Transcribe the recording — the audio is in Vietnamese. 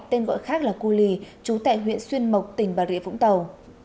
tên gọi khác là cô lì trú tại huyện xuyên mộc tỉnh bà rịa vũng tàu